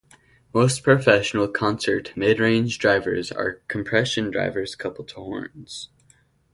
Most professional concert mid-range drivers are compression drivers coupled to horns.